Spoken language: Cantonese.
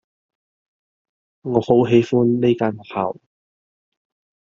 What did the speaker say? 我好喜歡呢間學校